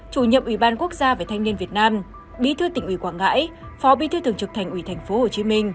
chủ nhiệm ủy ban quốc gia về thanh niên việt nam bí thư tỉnh ủy quảng ngãi phó bí thư thường trực thành ủy tp hcm